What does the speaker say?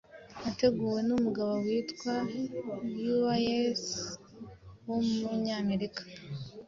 yateguwe n’umugabo witwa Uys w’Umunyamerika,